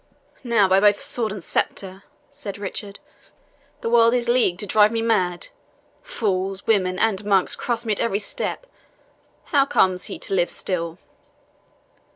"Now, by both sword and sceptre," said Richard, "the world is leagued to drive me mad! fools, women, and monks cross me at every step. How comes he to live still?"